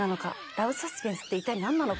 ラブサスペンスって一体なんなのか？